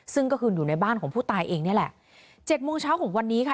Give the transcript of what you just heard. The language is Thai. ซึ่งก็คืออยู่ในบ้านของผู้ตายเองนี่แหละเจ็ดโมงเช้าของวันนี้ค่ะ